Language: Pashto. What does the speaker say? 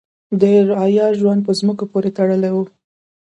د رعایا ژوند په ځمکو پورې تړلی و.